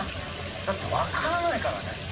だって分からないからね